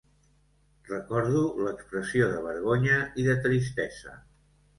Recordo l'expressió de vergonya i de tristesa